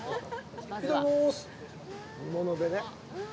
いただきます。